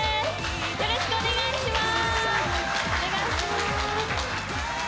よろしくお願いします！